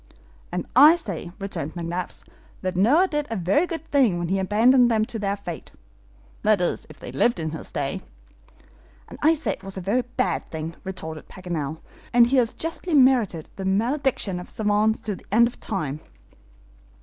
"And I say," returned McNabbs, "that Noah did a very good thing when he abandoned them to their fate that is, if they lived in his day." "And I say he did a very bad thing," retorted Paganel, "and he has justly merited the malediction of SAVANTS to the end of time!"